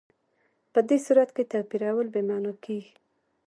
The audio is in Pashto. په دې صورت کې توپیرول بې معنا کېږي.